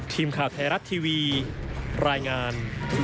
ทีมข่าวไทยรัฐทีวีรายงาน